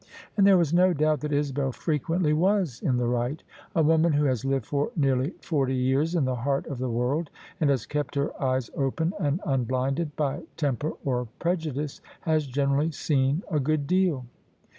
And there was no doubt that Isabel frequently was in the right. A woman who has lived for nearly forty years in the heart of the world, and has kept her eyes open and unblinded by temper or prejudice, has generally seen a good deal.